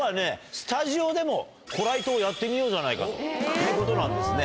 スタジオでもコライトをやってみようじゃないかということなんですね。